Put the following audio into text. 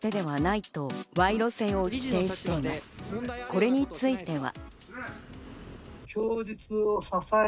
これについては。